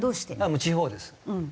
もう地方です。